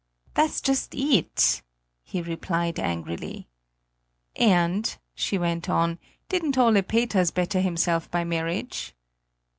"That's just it," he replied angrily. "And," she went on, "didn't Ole Peters better himself by marriage?"